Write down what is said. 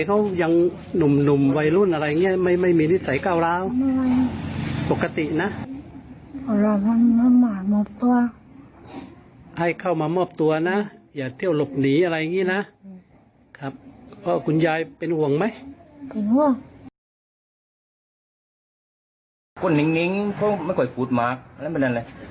คนนิ่งเค้าไม่ค่อยฟูดมากแล้วเป็นอะไร